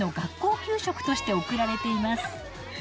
給食として送られています。